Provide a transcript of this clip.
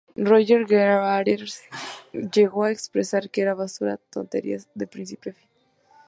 Roger Waters llegó a expresar que era "basura, tonterías de principio a fin".